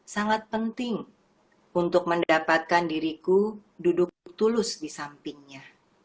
sangat penting untuk mendapatkan diriku duduk tulus di sampingnya